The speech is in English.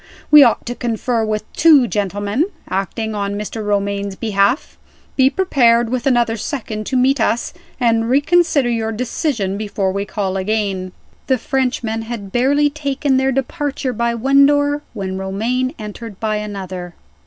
We ought to confer with two gentlemen, acting on Mr. Romayne's behalf. Be prepared with another second to meet us, and reconsider your decision before we call again." The Frenchmen had barely taken their departure by one door, when Romayne entered by another.